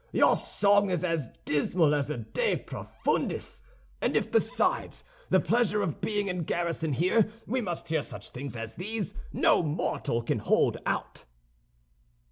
Your song is as dismal as a 'De profundis'; and if besides the pleasure of being in garrison here, we must hear such things as these, no mortal can hold out."